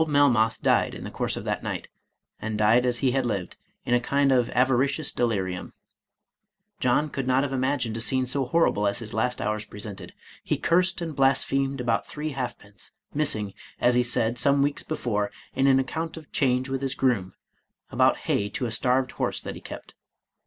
Old Melmoth died in the course of that night, and died as he had lived, in a kind of avaricious delirium. John, could not have imagined a scene so horrible as his last hours presented. He cursed and blasphemed about three halfpence, missing, as he said, some weeks before, in an account of change with his groom, about hay to a starved horse that he kept.